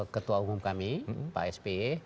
ketua umum kami pak sp